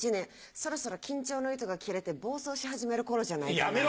そろそろ緊張の糸が切れて暴走し始める頃じゃないかな。